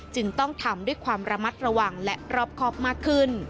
จึงต้องทำด้วยความระมัดระวังและรอบครอบมากขึ้น